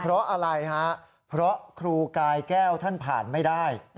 เพราะอะไรฮะเพราะครูกายแก้วท่านผ่านไม่ได้